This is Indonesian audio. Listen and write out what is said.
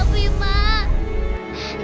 jangan tinggalin kita di sini